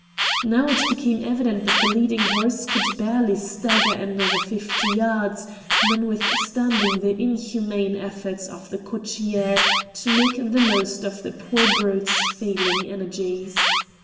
Now it became evident that the leading horse could barely stagger another fifty yards, notwithstanding the inhuman efforts of the cocchiere to make the most of the poor brute's failing energies.